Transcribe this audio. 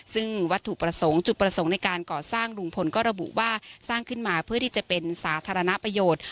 ซึ่งวัตถุประสงค์จุดประสงค์ในการก่อสร้างลุงพลก็ระบุว่าสร้างขึ้นมาเพื่อที่จะเป็นสาธารณประโยชน์